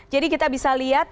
jadi kita bisa lihat